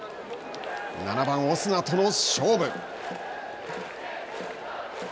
７番オスナとの勝負。